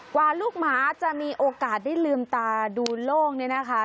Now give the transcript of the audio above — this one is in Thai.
กว่าลูกหมาจะมีโอกาสได้ลืมตาดูโล่งเนี่ยนะคะ